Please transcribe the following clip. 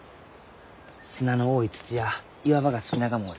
砂の多い土や岩場が好きながもおる。